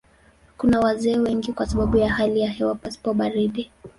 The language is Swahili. Kuna wazee wengi kwa sababu ya hali ya hewa pasipo na baridi.